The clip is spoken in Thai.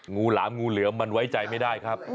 หลามงูเหลือมมันไว้ใจไม่ได้ครับ